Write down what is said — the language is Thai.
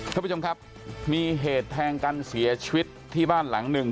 ท่านผู้ชมครับมีเหตุแทงกันเสียชีวิตที่บ้านหลังหนึ่ง